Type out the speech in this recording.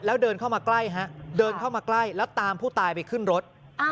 แล้วเดินเข้ามาใกล้ฮะเดินเข้ามาใกล้แล้วตามผู้ตายไปขึ้นรถ